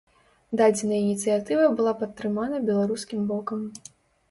Дадзеная ініцыятыва была падтрымана беларускім бокам.